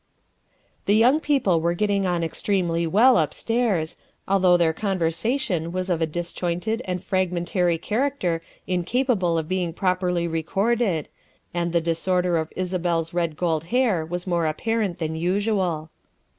The yfamg people were getting on extremely well up stairs, although their conversation was of a disjointed and fragmentary character incapable of being properly recorded, and the disorder of Isabel's red gold hair was more apparent than usual.